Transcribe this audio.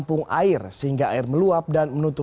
cuma dari pdam aja